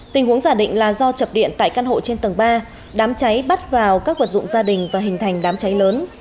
tình huống giả định là do chập điện tại căn hộ trên tầng ba đám cháy bắt vào các vật dụng gia đình và hình thành đám cháy lớn